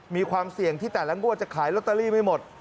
มีความเสี่ยงที่แต่ละงวดจะขายลอตเตอรี่ไม่หมด